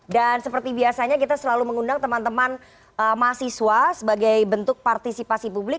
dan seperti biasanya kita selalu mengundang teman teman mahasiswa sebagai bentuk partisipasi publik